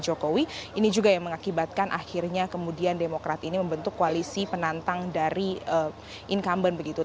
jokowi ini juga yang mengakibatkan akhirnya kemudian demokrat ini membentuk koalisi penantang dari incumbent begitu